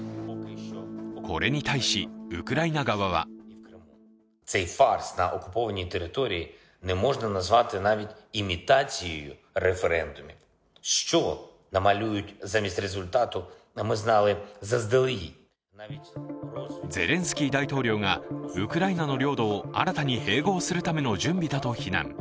これに対し、ウクライナ側はゼレンスキー大統領がウクライナの領土を新たに併合するための準備だと非難。